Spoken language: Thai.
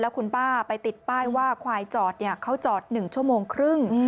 คุณป้าไปติดป้ายว่าควายจอดเขาจอด๑ชั่วโมงครึ่ง